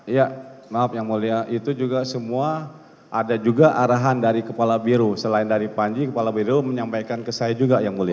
ya maaf yang mulia itu juga semua ada juga arahan dari kepala biru selain dari panji kepala biro menyampaikan ke saya juga yang mulia